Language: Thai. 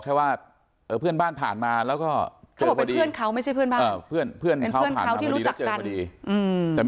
แค่ว่าเพื่อนบ้านผ่านมาแล้วก็จะเพื่อนเขาไม่ใช่เพื่อนมายเพื่อนเขารู้จักกัน